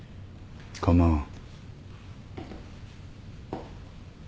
構わん。